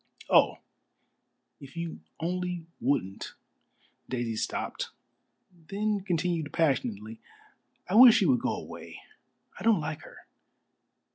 "Oh, if you only wouldn't," Daisy stopped then continued passionately, "I wish she would go away. I don't like her."